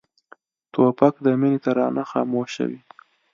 توپک د مینې ترانه خاموشوي.